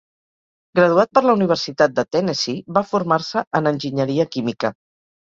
Graduat per la Universitat de Tennessee, va formar-se en enginyeria química.